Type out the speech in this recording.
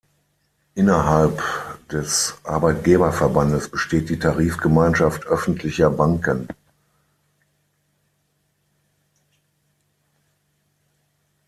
Innerhalb des Arbeitgeberverbandes besteht die Tarifgemeinschaft Öffentlicher Banken.